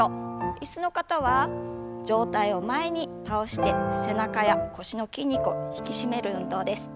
椅子の方は上体を前に倒して背中や腰の筋肉を引き締める運動です。